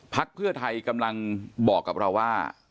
เพื่อไทยกำลังบอกกับเราว่า